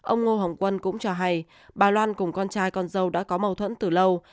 ông ngô hồng quân cũng cho hay bà loan cùng con trai con dâu đã có mâu thuẫn từ lâu